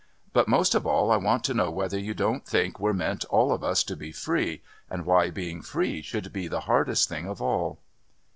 But most of all I want to know whether you don't think we're meant all of us to be free, and why being free should be the hardest thing of all."